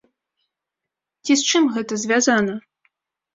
Ці з чым гэта звязана?